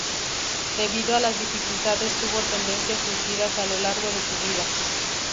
Debido a las dificultades tuvo tendencias suicidas a lo largo de su vida.